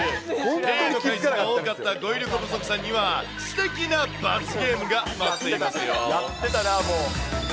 数が多かった語彙力不足さんには、すてきな罰ゲームが待っていますよ。